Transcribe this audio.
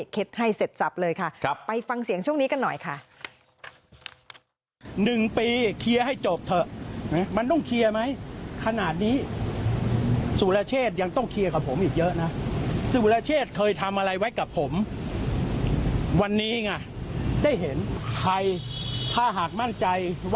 ให้เสร็จสับเลยค่ะไปฟังเสียงช่วงนี้กันหน่อยค่ะ